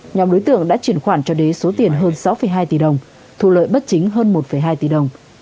nhóm đối tượng đã chuyển khoản cho đế số tiền hơn sáu hai tỷ đồng thu lợi bất chính hơn một hai tỷ đồng